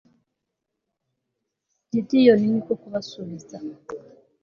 gideyoni ni ko kubasubiza